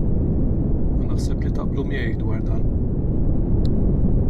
U naħseb li taqblu miegħi dwar dan.